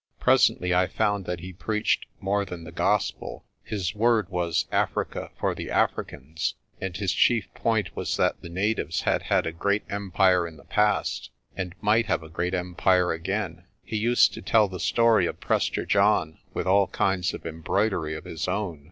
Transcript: Presently I found that he preached more than the Gospel. His word was 'Africa 98 PRESTER JOHN for the Africans,' and his chief point was that the natives had had a great empire in the past, and might have a great empire again. He used to tell the story of Prester John, with all kinds of embroidery of his own.